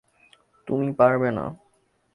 তুমি পারবে না।